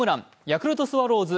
ヤクルトスワローズ